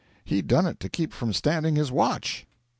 He done it to keep from standing his watch.'